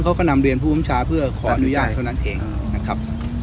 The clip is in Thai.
เขาก็นำเรียนผู้บัญชาเพื่อขออนุญาตเท่านั้นเองนะครับ